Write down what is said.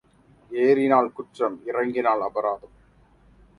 ஏறினால் குற்றம் இறங்கினால் அபராதம்.